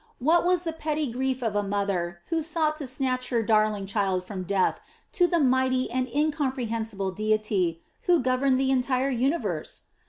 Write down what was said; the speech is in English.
What was the petty grief of a mother who sought to snatch her darling child from death, to the mighty and incomprehensible Deity who governed the entire universe?